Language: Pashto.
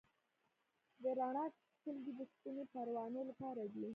د رڼا تلکې د شپنۍ پروانو لپاره دي؟